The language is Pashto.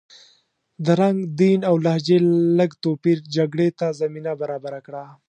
د رنګ، دین او لهجې لږ توپیر جګړې ته زمینه برابره کړه.